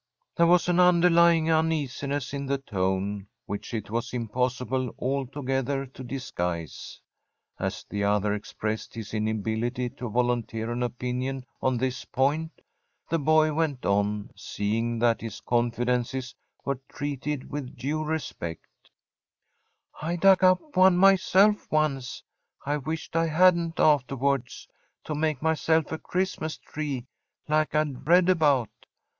There was an underlying uneasiness in the tone, which it was impossible altogether to disguise. As the other expressed his inability to volunteer an opinion on this point, the boy went on, seeing that his confidences were treated with due respect: 'I dug up one myself once I wished I hadn't afterwards to make myself a Christmas tree like I'd read about.